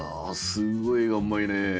すごいえがうまいねえ。